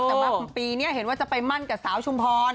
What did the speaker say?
แต่ว่าปีนี้เห็นว่าจะไปมั่นกับสาวชุมพร